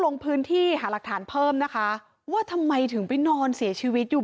ลงพื้นที่หาหลักฐานเพิ่มนะคะว่าทำไมถึงไปนอนเสียชีวิตอยู่